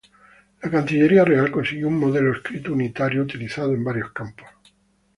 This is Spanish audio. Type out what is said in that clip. La Cancillería real configuró un modelo escrito unitario utilizado en varios campos.